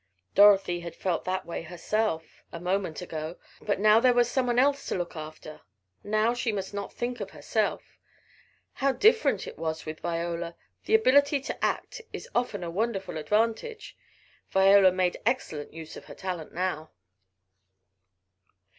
Dorothy had felt that way herself a moment ago, but now there was someone else to look after; now she must not think of herself. How different it was with Viola! The ability to act is often a wonderful advantage. Viola made excellent use of her talent now.